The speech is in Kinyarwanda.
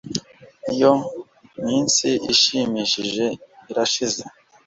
Iyo minsi ishimishije irashize